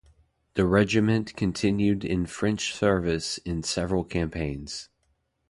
The regiment continued in French service in several campaigns.